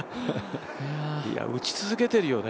打ち続けてるよね